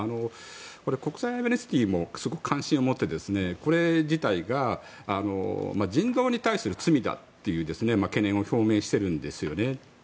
国際アムニスティもすごく関心を持ってこれ事態が人道に対する罪だという懸念を表明しているんですよね。